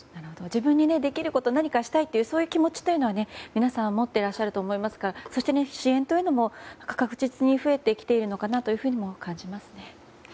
自分にできることを何かしたいという気持ちは持ってると思いますからそして、支援というのも確実に増えてきているのかなと感じますね。